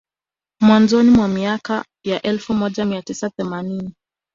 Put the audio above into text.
Mwanzoni mwa miaka ya elfu moja mia tisa themanini